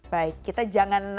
baik kita jangan